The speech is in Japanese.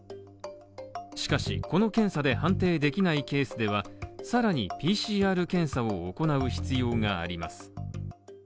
しかし、この検査で判定できないケースではさらにＰＣＲ検査も行う必要があります。